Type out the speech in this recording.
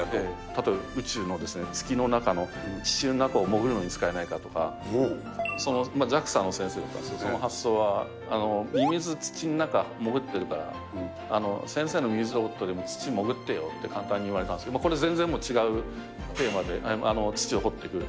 例えば宇宙の月の中の地中の中を潜るのに使えないかとか、ＪＡＸＡの先生とか、その発想はミミズ、土の中潜ってるから、先生のミミズロボットでも土潜ってよと簡単に言われたんですけど、これ全然違うテーマで、土を掘っていく。